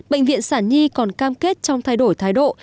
bệnh viện sản nhi còn cam kết trong thay đổi thái độ